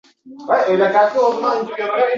Kulgi ko`tarildi